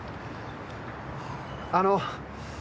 あの！